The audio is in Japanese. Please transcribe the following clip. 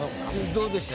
どうでした？